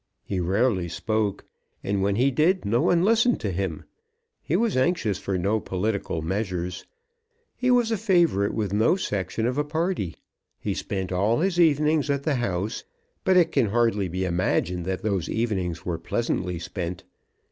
He rarely spoke, and when he did no one listened to him. He was anxious for no political measures. He was a favourite with no section of a party. He spent all his evenings at the House, but it can hardly be imagined that those evenings were pleasantly spent.